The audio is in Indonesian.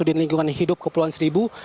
kepala sudir lingkungan hidup kepulauan seribu